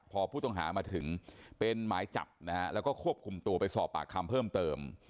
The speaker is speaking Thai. พอผู้ต้องหามาถึงเป็นหมายจับนะฮะแล้วก็ควบคุมตัวไปสอบปากคำเพิ่มเติม